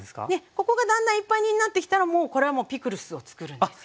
ここがだんだんいっぱいになってきたらもうこれはピクルスをつくるんですよ。